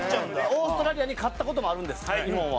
オーストラリアに勝った事もあるんです日本は。